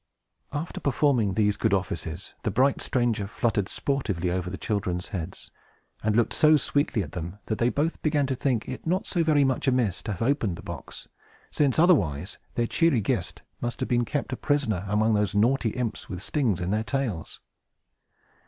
After performing these good offices, the bright stranger fluttered sportively over the children's heads, and looked so sweetly at them, that they both began to think it not so very much amiss to have opened the box, since, otherwise, their cheery guest must have been kept a prisoner among those naughty imps with stings in their tails.